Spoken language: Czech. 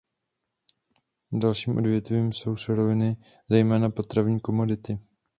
Dalším odvětvím jsou suroviny, zejména potravní komodity.